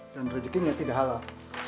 dan rezekinya tidak halal